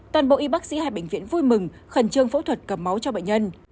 toàn bộ y bác sĩ hai bệnh viện vui mừng khẩn trương phẫu thuật cầm máu cho bệnh nhân